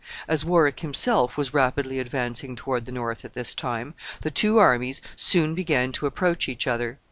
As Warwick himself was rapidly advancing toward the north at this time, the two armies soon began to approach each other.